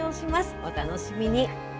お楽しみに。